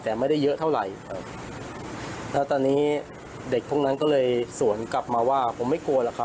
แต่ไม่ได้เยอะเท่าไหร่แต่ตอนนี้เด็กพวกนั้นก็เลยสวนกลับมาว่า